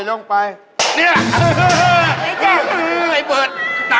โหนั่นขอบไง